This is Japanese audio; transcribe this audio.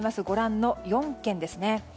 ご覧の４県ですね。